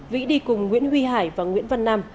vĩ đi cùng nguyễn huy hải và nguyễn văn nam